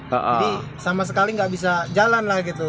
jadi sama sekali tidak bisa jalan lah gitu